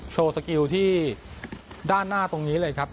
สกิลที่ด้านหน้าตรงนี้เลยครับ